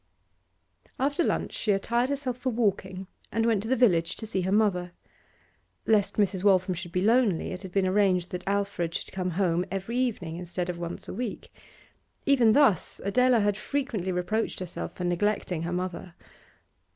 After lunch she attired herself for walking, and went to the village to see her mother. Lest Mrs. Waltham should be lonely, it had been arranged that Alfred should come home every evening, instead of once a week. Even thus, Adela had frequently reproached herself for neglecting her mother.